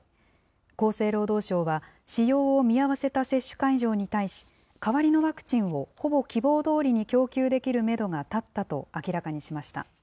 厚生労働省は使用を見合わせた接種会場に対し、代わりのワクチンをほぼ希望どおりに供給できるメドが立ったと明らかにしました。